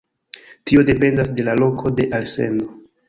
Tio dependas de la loko de alsendo.